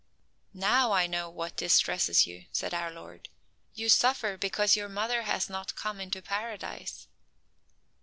"Now I know what distresses you," said our Lord. "You suffer because your mother has not come into Paradise."